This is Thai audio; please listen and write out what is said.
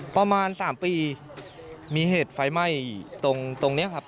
ประมาณ๓ปีมีเหตุไฟไหม้ตรงนี้ครับ